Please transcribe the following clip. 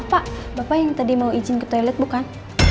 pak bapak yang tadi mau izin ke toilet bukan